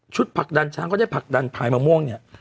ผลักดันช้างก็ได้ผลักดันพายมะม่วงเนี่ย